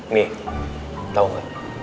nih tau gak